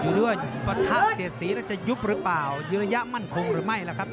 อยู่ด้วยก็ท่ามเศษศรีแล้วจะยุบหรือเปล่ายื้อหยะมั่นคงหรือไม่ล่ะครับ